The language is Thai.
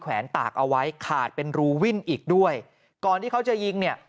แวนตากเอาไว้ขาดเป็นรูวิ่นอีกด้วยก่อนที่เขาจะยิงเนี่ย